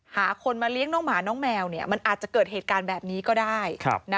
หาคนมาเลี้ยงน้องหมาน้องแมวมันอาจจะเกิดเหตุการณ์แบบนี้ก็ได้